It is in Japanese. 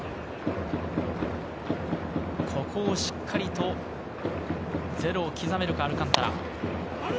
ここでしっかりとゼロを刻めるか、アルカンタラ。